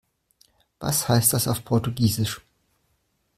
Was heißt das auf Portugiesisch?